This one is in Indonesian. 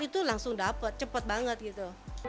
itu langsung dapat cepat banget gitu